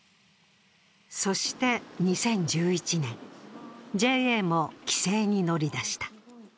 そして２０１１年、ＪＡも規制に乗り出した。